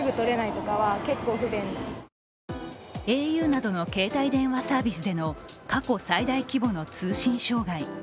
ａｕなどの携帯電話サービスでの過去最大規模の通信障害。